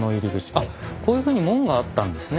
あっこういうふうに門があったんですね